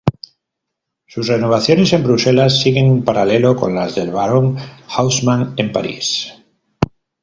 Sus renovaciones en Bruselas siguen un paralelo con las del Barón Haussmann en París.